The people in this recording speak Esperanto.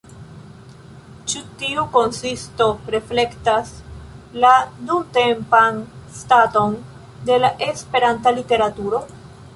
Ĉu tiu konsisto reflektas la nuntempan staton de la Esperanta literaturo?